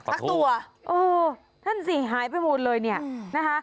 ทั้งตัวเออนั่นสิหายไปหมดเลยเนี่ยนะคะ